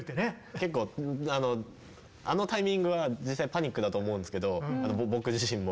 結構あのタイミングは実際パニックだと思うんですけど僕自身も。